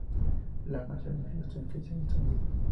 Land nació en Houston y creció en San Diego.